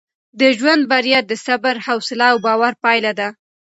د ژوند بریا د صبر، حوصله او باور پایله ده.